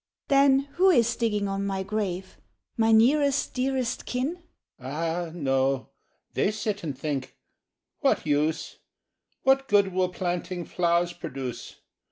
'" "Then who is digging on my grave? My nearest dearest kin?" —"Ah, no; they sit and think, 'What use! What good will planting flowers produce?